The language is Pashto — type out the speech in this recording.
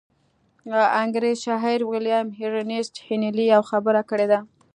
انګرېز شاعر ويليام ايرنيسټ هينلي يوه خبره کړې ده.